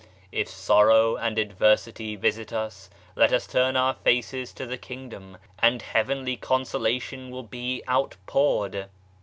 If sorrow and adversity visit us, let us turn our faces to the Kingdom and heavenly consolation will be out poured.